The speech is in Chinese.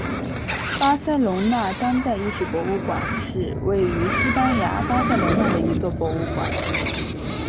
巴塞隆纳当代艺术博物馆是位于西班牙巴塞隆纳的一座博物馆。